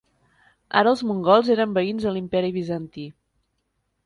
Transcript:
Ara els mongols eren veïns de l'Imperi Bizantí.